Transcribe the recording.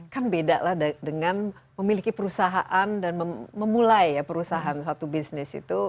kan beda lah dengan memiliki perusahaan dan memulai ya perusahaan suatu bisnis itu